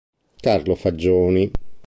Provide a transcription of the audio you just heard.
Carlo Faggioni.